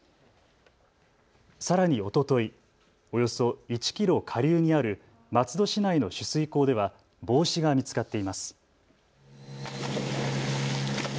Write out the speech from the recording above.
さらに、おととい、およそ１キロ下流にある松戸市内の取水口では帽子が見つかっています。